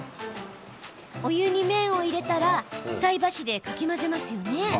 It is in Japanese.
お湯に麺を入れたら菜箸でかき混ぜますよね。